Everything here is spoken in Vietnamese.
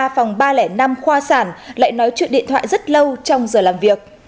ba phòng ba trăm linh năm khoa sản lại nói chuyện điện thoại rất lâu trong giờ làm việc